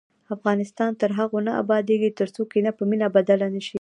افغانستان تر هغو نه ابادیږي، ترڅو کینه په مینه بدله نشي.